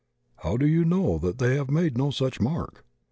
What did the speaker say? How do you know they have made no such mark?